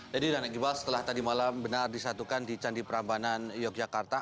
jadi dan ekibat setelah tadi malam benar disatukan di candi perambanan yogyakarta